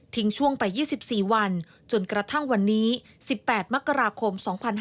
ช่วงไป๒๔วันจนกระทั่งวันนี้๑๘มกราคม๒๕๕๙